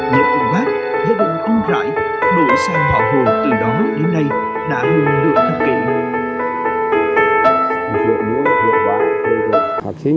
nhờ ông bác gia đình yêu rãi đổi sang họ hồ từ đó đến nay đã hơn một mươi thập kỷ